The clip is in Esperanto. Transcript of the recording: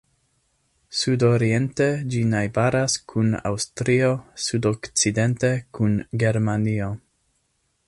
Sudoriente ĝi najbaras kun Aŭstrio, sudokcidente kun Germanio.